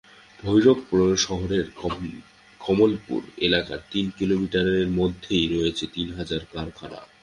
ভৈরব পৌর শহরের কমলপুর এলাকার তিন কিলোমিটারের মধ্যেই রয়েছে তিন হাজার কারখানা।